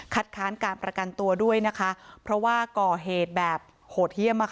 ค้านการประกันตัวด้วยนะคะเพราะว่าก่อเหตุแบบโหดเยี่ยม